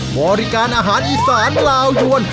บริการอาหารอีสานลาวยวน